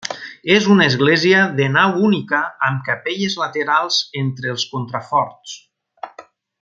És una església de nau única amb capelles laterals entre els contraforts.